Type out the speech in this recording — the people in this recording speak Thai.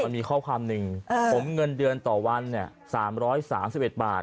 มันมีข้อความหนึ่งผมเงินเดือนต่อวัน๓๓๑บาท